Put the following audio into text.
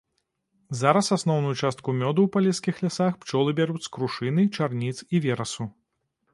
Зараз асноўную частку мёду ў палескіх лясах пчолы бяруць з крушыны, чарніц і верасу.